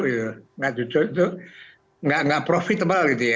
tidak cucuk itu tidak profitable gitu ya